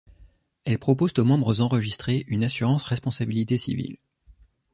Elles proposent aux membres enregistrés une assurance responsabilité civile.